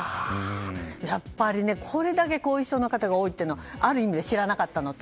やっぱりこれだけ後遺症の方が多いのはある意味、知らなかったのと。